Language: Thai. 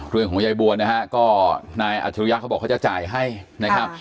เรื่องของยายบวนนะครับก็นายอัฐรยักษ์เขาบอกว่าจะจ่ายให้นะครับ